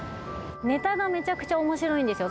ネタがめちゃくちゃ面白いんですよ